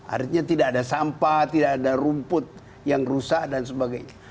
artinya tidak ada sampah tidak ada rumput yang rusak dan sebagainya